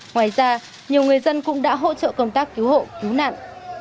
ngoài ra nhiều người dân cũng đã hỗ trợ công tác cứu hộ cứu nạn